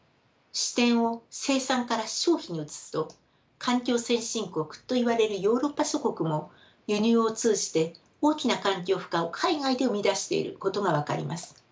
視点を生産から消費に移すと環境先進国といわれるヨーロッパ諸国も輸入を通じて大きな環境負荷を海外で生み出していることが分かります。